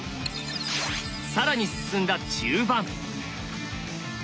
更に進んだ中盤。